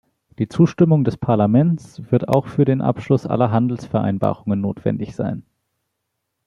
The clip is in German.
Die Zustimmung des Parlaments wird auch für den Abschluss aller Handelsvereinbarungen notwendig sein.